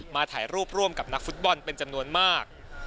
ถ่ายรูปร่วมกับนักฟุตบอลเป็นจำนวนมาก